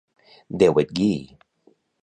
Déu et guiï.